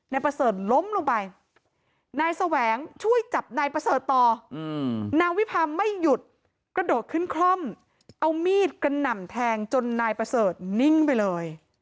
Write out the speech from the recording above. นายประเสริฐล้มลงไปนายแสวงช่วยจับนายประเสริฐต่อนางวิพาไม่หยุดกระโดดขึ้นคล่อมเอามีดกระหน่ำแทงจนนายประเสริฐนิ่งไปเลย